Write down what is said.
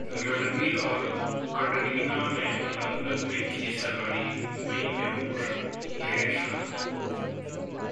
रणबीर और कटरीना ने लंदन में की सगाई, मई में हो सकती है शादी!